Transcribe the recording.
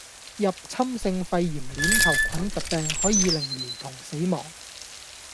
入侵性肺炎鏈球菌疾病可以令兒童死亡